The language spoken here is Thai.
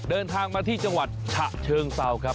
เดินทางมาที่จังหวัดฉะเชิงเซาครับ